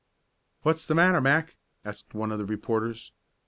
"What's the matter, Mack?" asked one of the reporters.